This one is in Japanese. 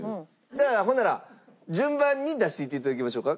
だからほんなら順番に出していって頂きましょうか。